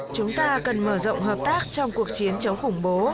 chúng ta cần mở rộng hợp tác trong cuộc chiến chống khủng bố